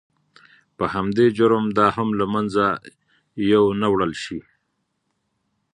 په همدې جرم دا هم له منځه یو نه وړل شي.